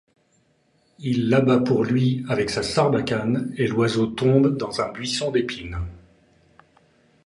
Il l'abat pour lui avec sa sarbacane, et l'oiseau tombe dans un buisson d'épines.